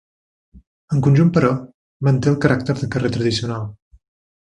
En conjunt però, manté el caràcter de carrer tradicional.